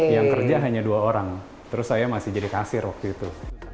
yang kerja hanya dua orang terus saya masih jadi kasir waktu itu